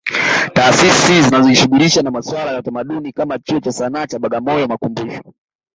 Taasisi zinazojihusisha na masuala ya utamaduni kama Chuo cha Sanaa cha Bagamoyo makumbusho